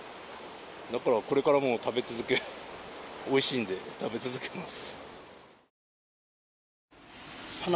だからこれからも食べ続けるおいしいので食べ続けます。